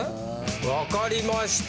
わかりました。